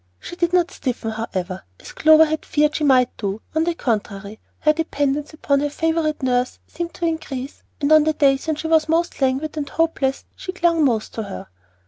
She did not "stiffen," however, as Clover had feared she might do; on the contrary, her dependence upon her favorite nurse seemed to increase, and on the days when she was most languid and hopeless she clung most to her.